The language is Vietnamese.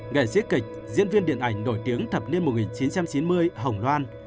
nghệ sĩ kịch diễn viên điện ảnh nổi tiếng thập niên một nghìn chín trăm chín mươi hồng loan